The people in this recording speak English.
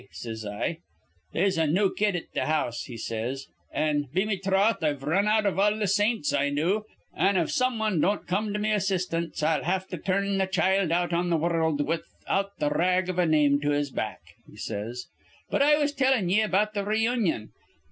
says I. 'They'se a new kid at th' house,' he says; 'an', be me troth, I've run out iv all th' saints I knew, an', if somewan don't come to me assistance, I'll have to turn th' child out on th' wurruld without th' rag iv a name to his back,' he says. "But I was tellin' ye about th' reunion.